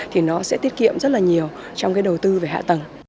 thì nó sẽ tiết kiệm rất là nhiều trong cái đầu tư về hạ tầng